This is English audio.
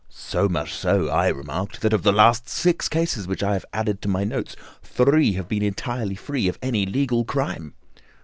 "So much so," I remarked, "that of the last six cases which I have added to my notes, three have been entirely free of any legal crime."